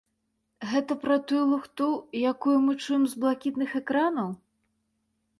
Гэта пра тую лухту, якую мы чуем з блакітных экранаў.